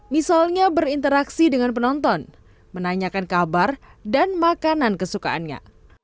misalnya berinteraksi dengan penonton menanyakan kabar dan makanan kesukaannya